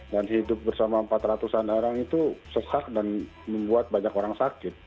dan hidup bersama empat ratusan orang itu sesak dan membuat banyak orang sakit